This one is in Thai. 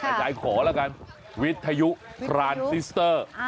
แต่ยายขอแล้วกันวิทยุพรานซิสเตอร์